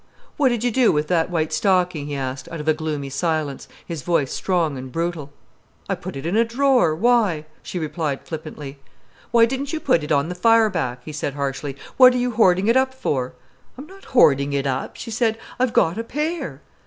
"What did you do wi' that white stocking?" he asked, out of a gloomy silence, his voice strong and brutal. "I put it in a drawer—why?" she replied flippantly. "Why didn't you put it on the fire back?" he said harshly. "What are you hoarding it up for?" "I'm not hoarding it up," she said. "I've got a pair."